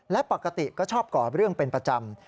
และปกติก็ชอบก่อเรื่องเป็นประจำ